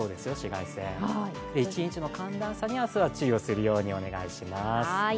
一日の寒暖差には明日は注意するようにお願いします。